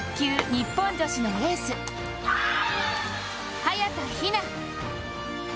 日本のエース、早田ひな